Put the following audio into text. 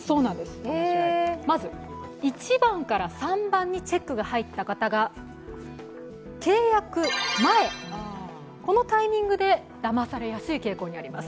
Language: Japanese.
まず１番から３番にチェックが入った方が契約前このタイミングでだまされやすい傾向にあります。